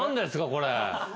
これ。